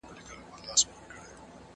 زه مخکي د کتابتون کتابونه لوستي وو!.